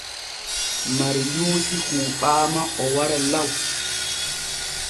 Mariyuusi huuɓaama o wara law.